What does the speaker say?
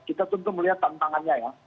itu untuk melihat tantangannya ya